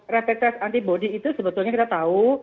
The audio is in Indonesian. rapid test antibody itu sebetulnya kita tahu